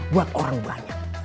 buat orang banyak